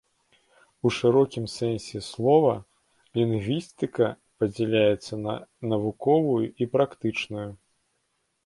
У шырокім сэнсе слова, лінгвістыка падзяляецца на навуковую і практычную.